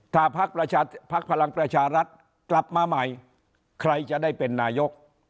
ถ้าพักพลังประชารัฐกลับมาใหม่ใครจะได้เป็นนายก